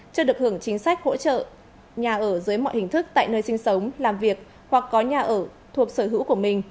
chưa được hưởng chính sách hỗ trợ nhà ở dưới mọi hình thức tại nơi sinh sống làm việc hoặc có nhà ở thuộc sở hữu của mình